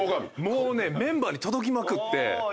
もうねメンバーに届きまくって。